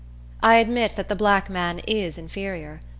I admit that the black man is inferior.